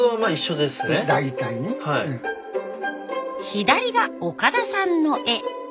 左が岡田さんの絵。